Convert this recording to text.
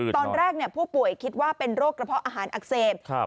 ตอนแรกผู้ป่วยคิดว่าเป็นโรคกระเพาะอาหารอักเสบ